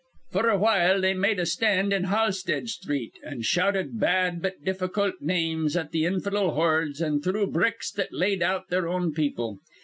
F'r a while they made a stand in Halsted Sthreet, an' shouted bad but difficult names at th' infidel hordes, an' threw bricks that laid out their own people.